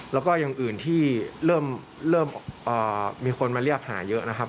แล้วก็อย่างอื่นที่เริ่มมีคนมาเรียกหาเยอะนะครับ